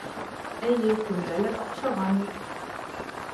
Эйе, кемгәлер оҡшаған шул.